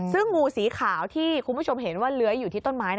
ซึ่งงูสีขาวที่คุณผู้ชมเห็นว่าเลื้อยอยู่ที่ต้นไม้